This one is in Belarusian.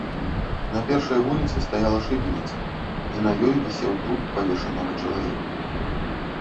На першай вуліцы стаяла шыбеніца, і на ёй вісеў труп павешанага чалавека.